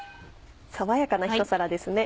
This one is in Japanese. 爽やかなひと皿ですね。